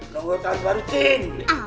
nunggu tahun baru jin